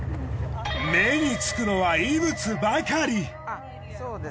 目につくのは異物ばかり。